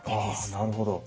あなるほど。